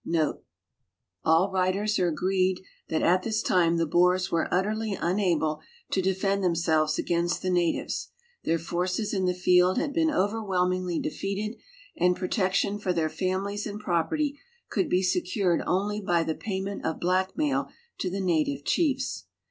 * All writers are agreed that at this time the Boers were utterly unable to defend themselves against the natives; their forces in the field had been overwhelmingly defeated and protection for their families and i)roi)ert3' could be secured only by the pay ment of hlacUmail to the native chiefs.